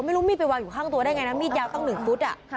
ไม่รู้มีดไปวางอยู่ข้างตัวได้ไงนะมีดยาวตั้ง๑ฟุต